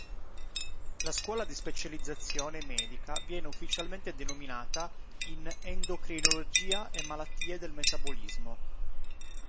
La Scuola di specializzazione medica viene ufficialmente denominata "in Endocrinologia e malattie del metabolismo".